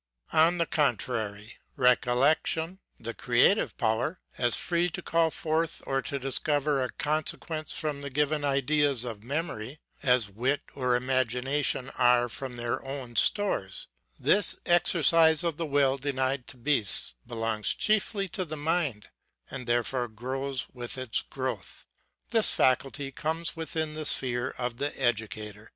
┬¦142. On the contrary, recollection, the creative power, as free to call forth or to discover a consequence from the given ideas of memory, as wit or imagination are from their own stores ; this exercise of the will denied to beasts, which belongs chiefly to the mind, and therefore grows with its growth ; this faculty comes within the sphere of the educator.